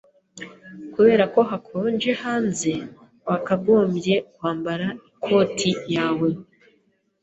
Kubera ko hakonje hanze, wakagombye kwambara ikoti yawe.